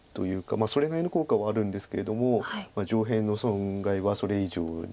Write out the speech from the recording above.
まあそれなりの効果はあるんですけれども上辺の損害はそれ以上に大きいので。